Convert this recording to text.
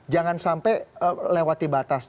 jangan sampai lewati batas